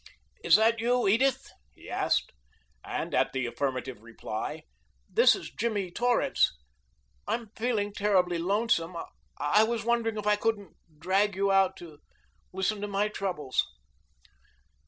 "Is that you, Edith?" he asked, and at the affirmative reply, "this is Jimmy Torrance. I'm feeling terribly lonesome. I was wondering if I couldn't drag you out to listen to my troubles?"